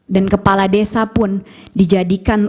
dan kepala desa pun dijadikan